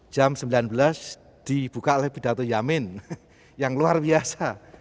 jam sembilan belas di bukalapidato yamin yang luar biasa